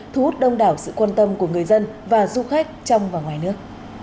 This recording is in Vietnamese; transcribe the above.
thu hút đông đảo sự quan tâm của người dân và du khách trong và ngoài nước